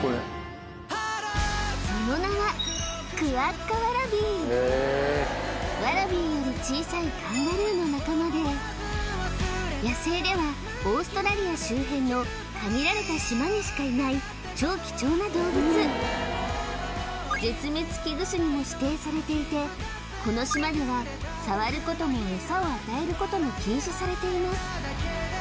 その名はクアッカワラビーワラビーより小さいカンガルーの仲間で野生ではオーストラリア周辺の限られた島にしかいない超貴重な動物絶滅危惧種にも指定されていてこの島では触ることもエサを与えることも禁止されています